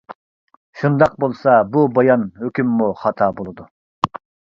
شۇنداق بولسا بۇ بايان-ھۆكۈممۇ خاتا بولىدۇ.